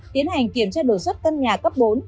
tiến hành kiểm tra đột xuất căn nhà cấp bốn